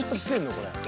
これ。